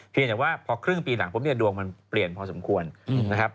เพียงแต่ว่าพอครึ่งปีหลังปุ๊บเนี่ยดวงมันเปลี่ยนพอสมควรนะครับ